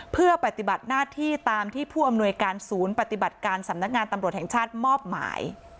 เพื่อปฏิบัติหน้าที่ตามที่ผู้อำนวยการศูนย์ปฏิบัติการสำนักงานตำรวจแห่งชาติมอบหมาย